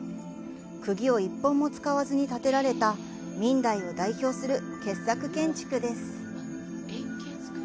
くぎを一本も使わずに建てられた明代を代表する傑作建築です。